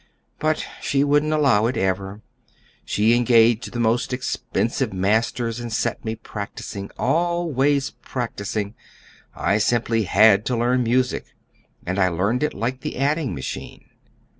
But she wouldn't allow it, ever. She engaged the most expensive masters and set me practising, always practising. I simply had to learn music; and I learned it like the adding machine.